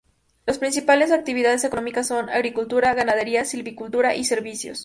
Las principales actividades económicas son: agricultura, ganadería, silvicultura y servicios.